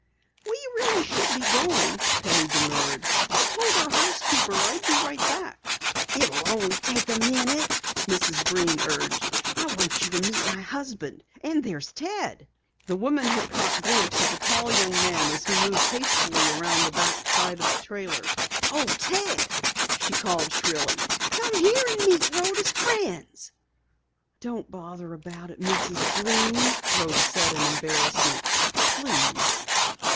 "We really should be going," Penny demurred. "I told our housekeeper I'd be right back." "It will only take a minute," Mrs. Breen urged. "I want you to meet my husband and there's Ted." The woman had caught a glimpse of a tall young man as he moved hastily around the back side of the trailer. "Oh, Ted!" she called shrilly. "Come here and meet Rhoda's friends!" "Don't bother about it, Mrs. Breen," Rhoda said in embarrassment. "Please."